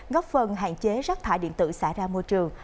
góp phần hạn chế rác thải điện tử xả ra môi trường